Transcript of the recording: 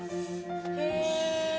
・へえ。